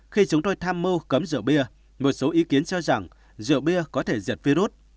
khi chúng tôi tham mưu cấm rượu bia một số ý kiến cho rằng rượu bia có thể diệt virus